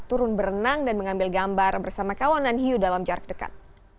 turun berenang dan mengambil gambar bersama kawanan hiu dalam jarak dekat